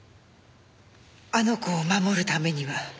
あの子を守るためには。